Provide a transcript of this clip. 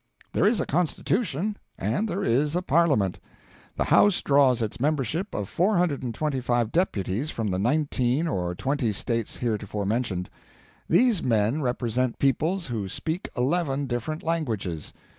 There is a Constitution and there is a Parliament. The House draws its membership of 425 deputies from the nineteen or twenty states heretofore mentioned. These men represent peoples who speak eleven different languages.